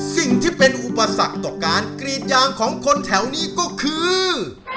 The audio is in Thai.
สิ่งที่เป็นอุปสรรคต่อการกรีดยางของคนแถวนี้ก็คือ